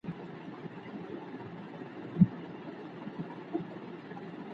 د ښووني پوهنځۍ په خپلواکه توګه نه اداره کیږي.